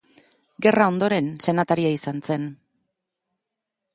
Gerra ondoren senataria izan zen.